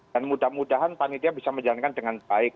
dan mudah mudahan panitia bisa menjalankan dengan baik